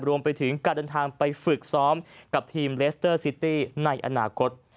รวมไปถึงการเดินทางไปฝึกซ้อมกับทีมเลสเตอร์ซิตี้ในอนาคต